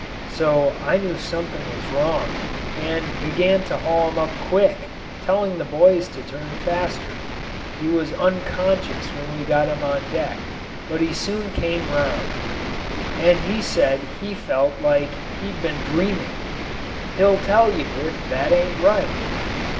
So I knew something was wrong, and began to haul him up quick, telling the boys to turn faster. He was unconscious when we got him on deck, but he soon came round, and said he felt like he'd been dreaming. He'll tell you if that ain't right."